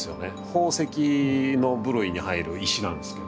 宝石の部類に入る石なんですけど。